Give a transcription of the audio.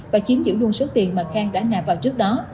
và chiếm giữ luôn số tiền mà khang đã nạp vào trước đó